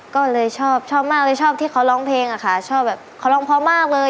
ก็เลยชอบชอบมากเลยชอบที่เขาร้องเพลงอะค่ะชอบแบบเขาร้องเพราะมากเลย